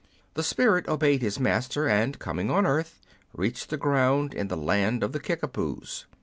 The spirit obeyed his Master, and, coming on earth, reached the ground in the land of the Kickapoos.